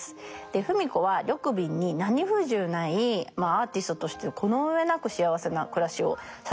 芙美子は緑敏に何不自由ないアーティストとしてこの上なく幸せな暮らしをさせたのではないでしょうか。